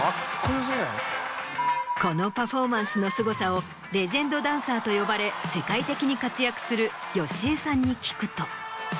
このパフォーマンスのすごさをレジェンドダンサーと呼ばれ世界的に活躍するＹＯＳＨＩＥさんに聞くと。